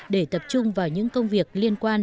để tập trung vào những công việc liên quan